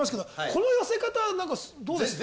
この寄せ方はどうですか？